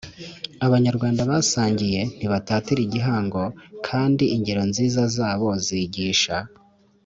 Abanyarwanda basangiye ntibatatira Igihango kandi ingero nziza zabo zigisha